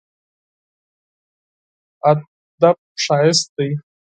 ادب ښايست دی.